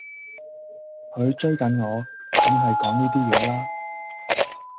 佢追緊我,緊係講呢啲嘢啦